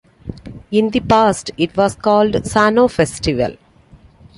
In the past, it was called Sannou Festival.